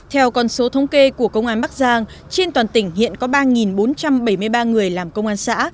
theo con số thống kê của công an bắc giang trên toàn tỉnh hiện có ba bốn trăm bảy mươi ba người làm công an xã